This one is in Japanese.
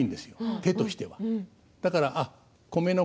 絵としては。